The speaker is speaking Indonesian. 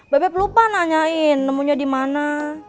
bebep lupa nanyain nemunya dimana